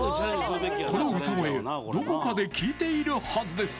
この歌声どこかで聞いているはずです